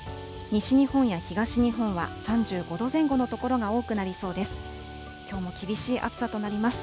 西日本や東日本は３５度前後の所が多くなりそうです。